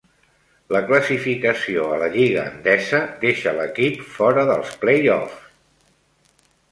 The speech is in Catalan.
La classificació a la Lliga Endesa deixa l'equip fora dels play-offs.